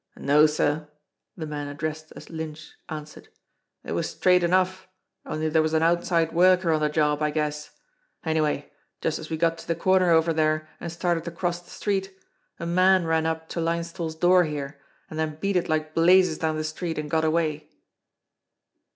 "No, sir," the man addressed as Lynch answered. "It was straight enough, only there was an outside worker on the job, I guess. Anyway, just as we got to the corner over there and started to cross the street, a man ran up to Linesthal's door here, and then beat it like blazes down the street, and got away."